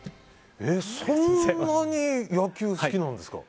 そんなに野球好きなんですか？